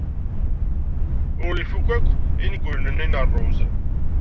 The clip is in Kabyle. Ur ifuk akk ingulen-nni n ṛṛuz.